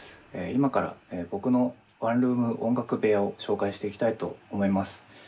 今から僕のワンルーム音楽部屋を紹介していきたいと思います。